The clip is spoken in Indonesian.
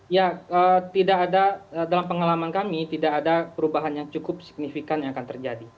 ya tidak ada dalam pengalaman kami tidak ada perubahan yang cukup signifikan yang akan terjadi